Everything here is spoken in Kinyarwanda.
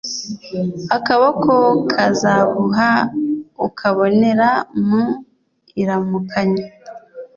akaboko kazaguha ukabonera mu iramukanya